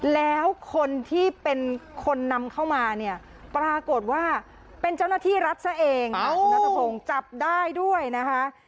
แล้วคนที่เป็นคนนำเข้ามาเนี่ยปรากฏว่าเป็นเจ้าหน้าที่รัฐซะเองนะคุณนัทพงศ์จับได้ด้วยนะคะ